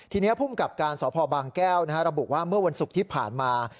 ทีนี้ภูมิกับการสพบางแก้วระบุว่าเมื่อวันศุกร์ที่ผ่านมา